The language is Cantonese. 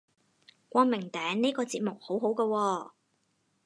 光明頂呢個節目好好個喎